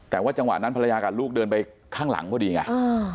แต่ว่าจังหวะนั้นภรรยากับลูกเดินไปข้างหลังพอดีไง